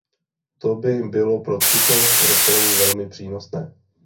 To by bylo pro tuto rozpravu velmi přínosné.